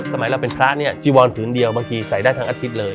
สมัยเราเป็นพระเนี่ยจีวอนผืนเดียวบางทีใส่ได้ทั้งอาทิตย์เลย